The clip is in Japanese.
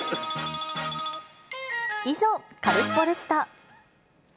以上、カルスポっ！でした。